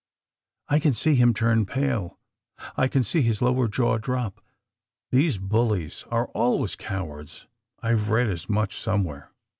I can see him turn pale. I can see his lower jaw drop. These bullies are always cowards — I've read as much somewhere."